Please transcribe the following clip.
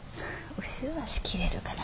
後ろ足切れるかな？